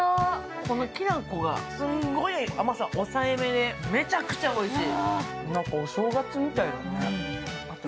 このきな粉が甘さ抑えめでめちゃくちゃおいしい。